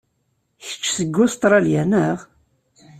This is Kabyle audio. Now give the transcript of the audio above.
Kečč seg Ustṛalya, naɣ?